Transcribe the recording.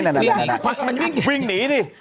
วิ่งหนีสิ